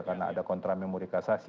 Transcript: karena ada kontra memori kasasi